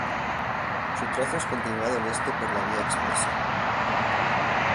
Su trazo es continuado al este por la "Vía Expresa".